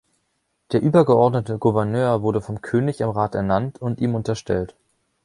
Der übergeordnete Gouverneur wurde vom König im Rat ernannt und ihm unterstellt.